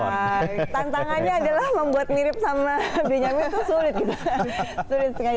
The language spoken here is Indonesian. nah tantangannya adalah membuat mirip sama benyamin itu sulit gitu